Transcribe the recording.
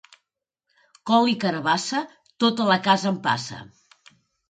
Col i carabassa, tota la casa en passa.